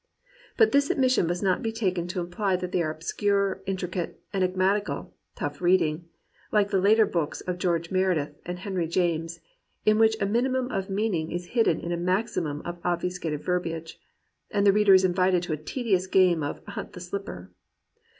But this admission must not be taken to imply that they are obscure, intricate, enigmatical, "tough reading," like the later books of George Meredith and Henry James, in which a minimum of meaning is hidden in a maximum of obfuscated verbiage, and the reader is invited to a tedious game of himt the slipper.